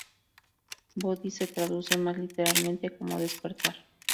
Bodhi se traduce más literalmente como despertar.